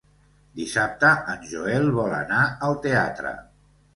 Dissabte en Joel vol anar al teatre.